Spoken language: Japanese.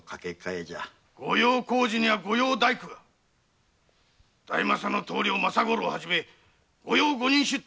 御用工事にゃ御用大工・大政の棟梁・政五郎を初め御用五人衆が。